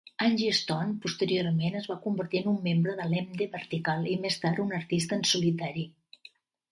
Angie Stone posteriorment es va convertir en un membre de l'emde vertical i més tard un artista en solitari.